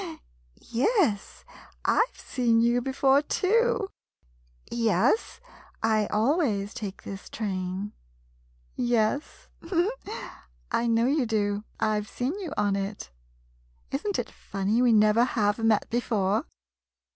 Yes, I've seen you before, too ! Yes, I always take this train. Yes, I know you do — I 've seen you on it ! Is n't it funny we never have met before?